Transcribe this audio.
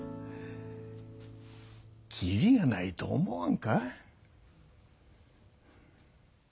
切りがないと思わんか？